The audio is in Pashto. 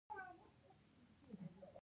لومړنۍ معجزه یې د کفارو بتان وو.